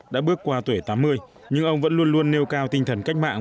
đã bước qua tuổi tám mươi nhưng ông vẫn luôn luôn nêu cao tinh thần cách mạng